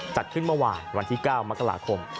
จัดขึ้นเมื่อวานวันที่๙มกราคม